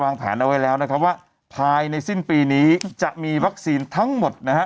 แผนเอาไว้แล้วนะครับว่าภายในสิ้นปีนี้จะมีวัคซีนทั้งหมดนะฮะ